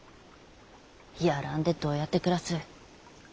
やらんでどうやって暮らす。